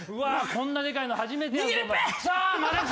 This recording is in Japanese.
こんなでかいの初めてや。にぎりっぺ！